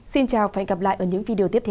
xin chào và hẹn gặp lại ở những video tiếp theo